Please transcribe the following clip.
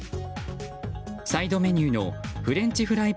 サイドメニューのフレンチフライ